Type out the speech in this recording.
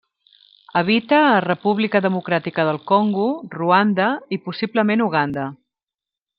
Habita a República Democràtica del Congo, Ruanda i possiblement Uganda.